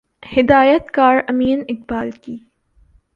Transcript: ہدایت کار امین اقبال کی